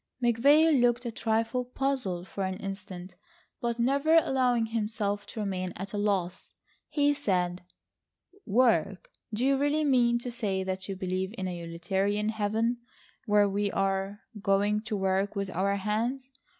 McVay looked a trifle puzzled for an instant, but never allowing himself to remain at a loss, he said: "Work! Do you really mean to say that you believe in a utilitarian Heaven, where we are going to work with our hands?